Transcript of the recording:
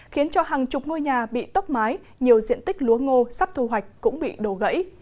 khiến cho hàng chục ngôi nhà bị tốc mái nhiều diện tích lúa ngô sắp thu hoạch cũng bị đổ gãy